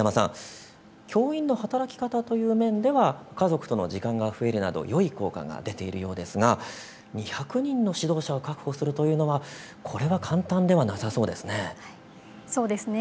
教員の働き方という面では家族との時間が増えるなどよい効果が出ているようですが、２００人の指導者を確保するというのは簡単ではなさそうですね。